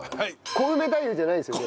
コウメ太夫じゃないですよね？